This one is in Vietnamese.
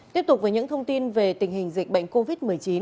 tiếp tục với những thông tin về tình hình dịch bệnh covid một mươi chín